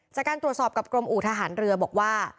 จากการตรวจสอบกับกรมอู่ทหารเรือบอกว่า